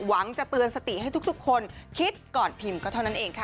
หวังจะเตือนสติให้ทุกคนคิดก่อนพิมพ์ก็เท่านั้นเองค่ะ